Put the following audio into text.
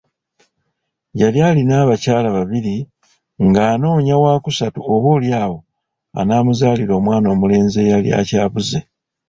Yali alina abakyala babiri ng'anoonya waakusatu oboolyawo anaamuzaalira omwana omulenzi eyali akyabuze.